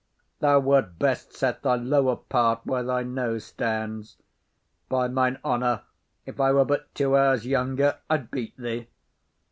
Thou wert best set thy lower part where thy nose stands. By mine honour, if I were but two hours younger, I'd beat thee.